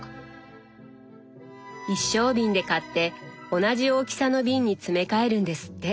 一升瓶で買って同じ大きさの瓶に詰め替えるんですって。